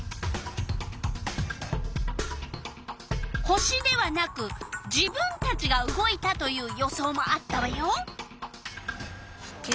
星ではなく自分たちが動いたという予想もあったわよ。